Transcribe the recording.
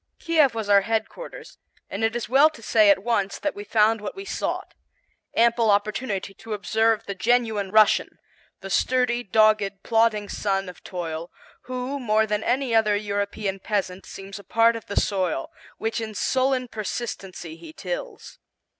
Kiev was our headquarters, and it is well to say at once that we found what we sought, ample opportunity to observe the genuine Russian, the sturdy, dogged, plodding son of toil, who, more than any other European peasant seems a part of the soil, which in sullen persistency he tills.